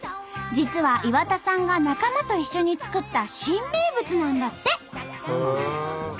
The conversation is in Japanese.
実は岩田さんが仲間と一緒に作った新名物なんだって！